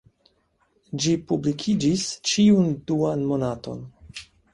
Ĝi publikiĝis ĉiun duan monaton.